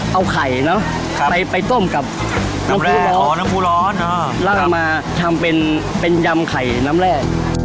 เอาไข่เนาะไปต้มกับน้ำครูร้อนลั่งมาทำเป็นยำไข่น้ำแร่